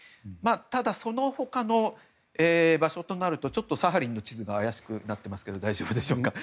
ただ、その他の場所となるとちょっとサハリンの地図が怪しくなってますが大丈夫でしょうか。